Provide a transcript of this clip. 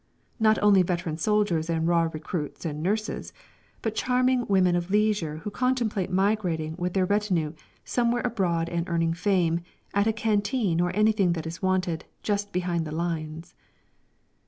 Not only veteran soldiers and raw recruits and nurses, but charming women of leisure who contemplate migrating with their retinue somewhere abroad and earning fame "at a canteen or anything that is wanted just behind the lines!"